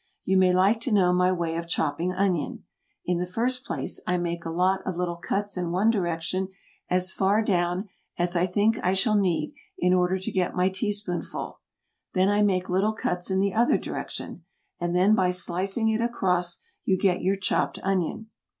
You may like to know my way of chopping onion. In the first place, I make a lot of little cuts in one direction as far down as I think I shall need in order to get my teaspoonful; then I make little cuts in the other direction, and then by slicing it across you get your chopped onion.